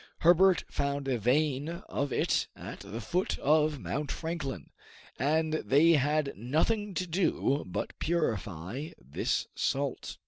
Herbert found a vein of it at the foot of Mount Franklin, and they had nothing to do but purify this salt.